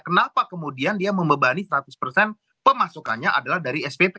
kenapa kemudian dia membebani seratus persen pemasukannya adalah dari spt